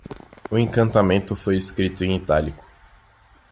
O encantamento foi escrito em itálico.